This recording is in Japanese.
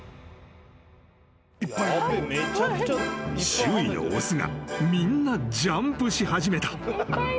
［周囲の雄がみんなジャンプし始めた］